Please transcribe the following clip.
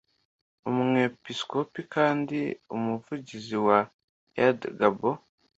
umwepiskopi kandi umuvugizi wa ear d gbo